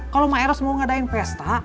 kalau maeros mau ngadain pesta